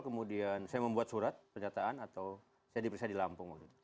kemudian saya membuat surat pernyataan atau saya diperiksa di lampung waktu itu